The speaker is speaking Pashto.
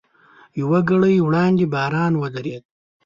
یوه ګړۍ وړاندې باران ودرېد.